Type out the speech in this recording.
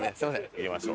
行きましょう。